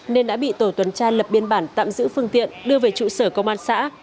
nên đã bị tổ tuần tra lập biên bản tạm giữ phương tiện đưa về trụ sở công an xã